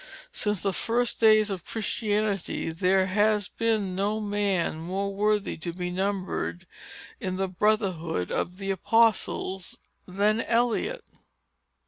Since the first days of Christianity, there has been no man more worthy to be numbered in the brotherhood of the apostles, than Eliot.